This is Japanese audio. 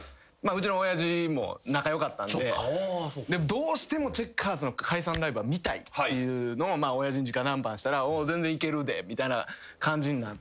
どうしてもチェッカーズの解散ライブは見たいというのを親父に直談判したら「全然行けるで」みたいな感じになって。